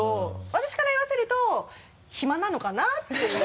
私から言わせるとヒマなのかな？っていう。